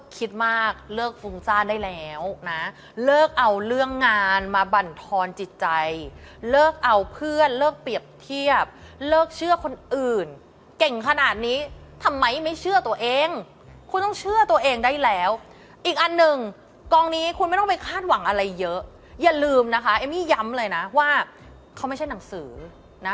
ความหวังมันมีแต่ความเป็นจริงเดี๋ยวว่ากัน